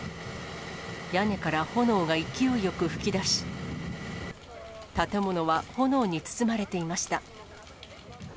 屋根から炎が勢いよく噴き出し、建物は炎に包まれていました。